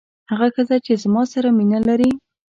هغه ښځه چې زما سره مینه لري.